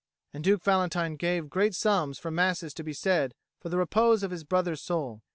And Duke Valentine gave great sums for masses to be said for the repose of his brother's soul.